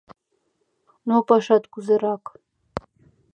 Ну, пашат кузерак?